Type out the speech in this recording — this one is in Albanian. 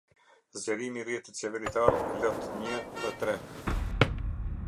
Zgjerimi i rrjetit qeveritar lot një & tre